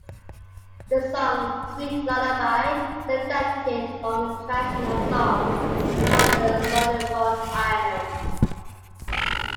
The song "Sweet Lullaby" is adapted from a traditional song from the Solomon Islands.